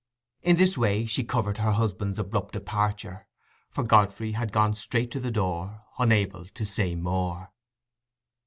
In this way she covered her husband's abrupt departure, for Godfrey had gone straight to the door, unable to say more.